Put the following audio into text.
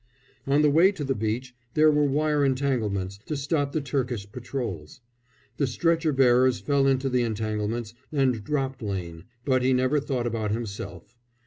On the way to the beach there were wire entanglements, to stop the Turkish patrols. The stretcher bearers fell into the entanglements and dropped Lane; but he never thought about himself.